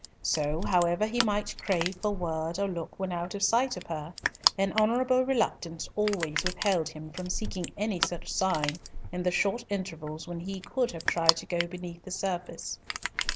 So, however he might crave for word or look when out of sight of her, an honourable reluctance always withheld him from seeking any such sign in the short intervals when he could have tried to go beneath the surface.